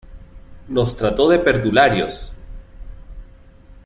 Nos trató de perdularios.